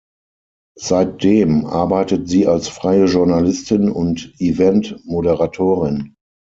Seitdem arbeitet sie als freie Journalistin und Event-Moderatorin.